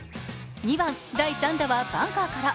第３打はバンカーから。